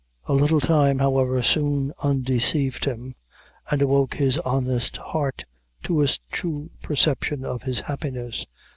A little time, however, soon undeceived him, and awoke his honest heart to a true perception of his happiness.